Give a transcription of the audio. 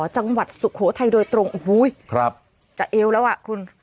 จังหวัดสุโขทัยโดยตรงอุ้ยครับจะเอวแล้วอ่ะคุณ